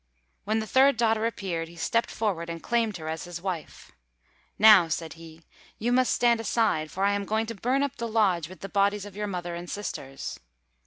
When the third daughter appeared, he stepped forward and claimed her as his wife. "Now," said he, "you must stand aside, for I am going to burn up the lodge with the bodies of your mother and sisters."